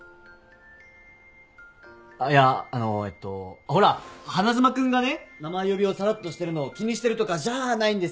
あっいやあのえっとほら花妻君がね名前呼びをさらっとしてるのを気にしてるとかじゃあないんですよ。